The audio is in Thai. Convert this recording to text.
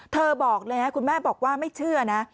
เธอบอกแล้วคุณแม่บอกว่าไม่เชื่อนะ